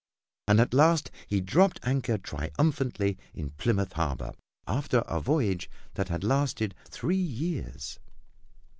And at last he dropped anchor triumphantly in Plymouth harbor after a voyage that had lasted three years.